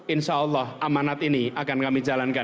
insya allah amanat ini akan kami jalankan